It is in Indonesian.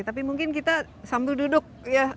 tapi mungkin kita sambil duduk ya